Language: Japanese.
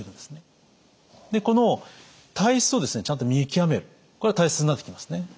この体質をちゃんと見極めるこれは大切になってきますね。